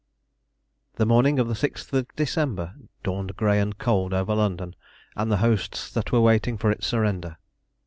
The morning of the 6th of December dawned grey and cold over London and the hosts that were waiting for its surrender.